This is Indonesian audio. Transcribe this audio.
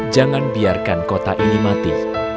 jangan biarkan kota ini mati